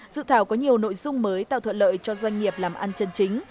dự thảo có nhiều nội dung mới tạo thuận lợi cho doanh nghiệp làm ăn chân chính